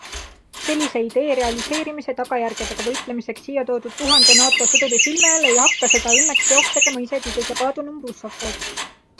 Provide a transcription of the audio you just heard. Sellise idee realiseerimise tagajärgedega võitlemiseks siia toodud tuhande NATO sõduri silme all ei hakka seda õnneks teoks tegema isegi kõige paadunum russofoob.